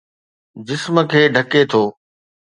جسم کي ڍڪي ٿو